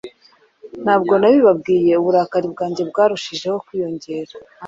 Ntabwo nabibabwiye, uburakari bwanjye bwarushijeho kwiyongera.